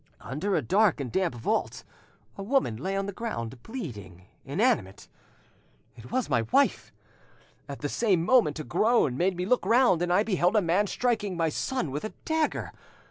Under a dark and damp vault a woman lay on the ground, bleeding, inanimate—it was my wife! At the same moment, a groan made me look round, and I beheld a man striking my son with a dagger.